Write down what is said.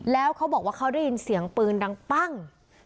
แล้วเขาบอกว่าเขาได้ยินเสียงปืนดังปั้ง